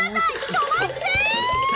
止まってー。